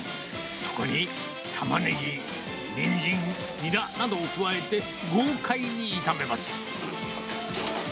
そこにタマネギ、ニンジン、ニラなどを加えて、豪快に炒めます。